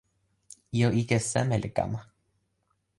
ijo ike seme li kama?